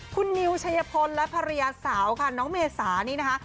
คุณนิวชัยพลและภรรยาสาวค่ะน้องเมษานี่นะคะ